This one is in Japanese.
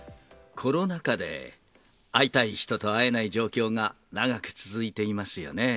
コロナ禍で、会いたい人と会えない状況が長く続いていますよね。